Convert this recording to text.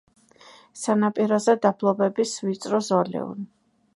სანაპიროზე დაბლობების ვიწრო ზოლია.